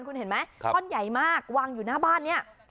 คุณเห็นไหมท่อนใหญ่มากวางอยู่หน้าบ้านเนี่ย